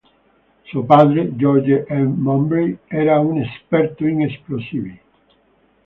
Suo padre, George M. Mowbray era un esperto in esplosivi.